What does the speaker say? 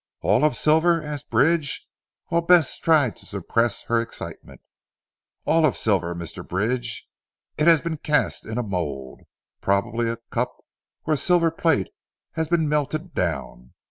"All of silver?" asked Bridge while Bess tried to suppress her excitement. "All of silver Mr. Bridge. It has been cast in a mould. Probably a cup or a silver plate has been melted down.